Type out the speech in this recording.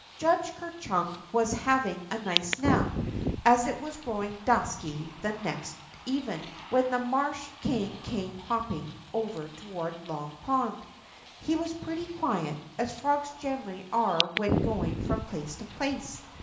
26 THE ROCK FROG Judge Ker Cliuuk was having a nice nap as it was growing dusky the next even, when the marsh king came hopping over toward Long Pond. lie was pretty quiet, as frogs generally are while g ing from place to j)lace.